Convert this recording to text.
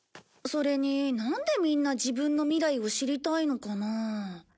それになんでみんな自分の未来を知りたいのかな？